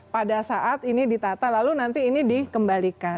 pada saat ini ditata lalu nanti ini dikembalikan